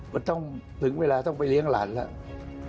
มันต้องถึงเวลาต้องไปเลี้ยงหลานแล้ว